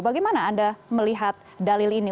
bagaimana anda melihat dalil ini